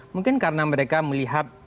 mungkin karena mereka melihat